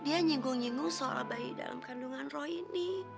dia nyinggung nyinggung soal bayi dalam kandungan roh ini